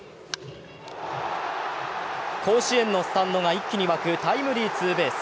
甲子園のスタンドが一気に沸くタイムリーツーベース。